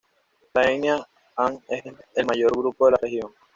La etnia han es el mayor grupo de la región.